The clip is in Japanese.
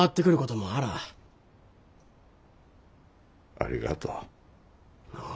ありがとう。ああ。